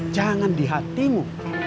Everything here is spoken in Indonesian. jangan di hatimu